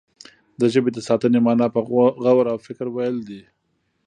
د ژبې د ساتنې معنا په غور او فکر ويل دي.